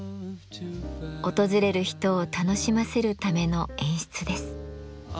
訪れる人を楽しませるための演出です。